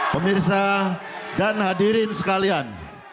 pemirsa dan hadirin sekalian